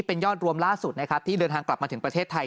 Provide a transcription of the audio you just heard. เป็นยอดรวมล่าสุดนะครับที่เดินทางกลับมาถึงประเทศไทย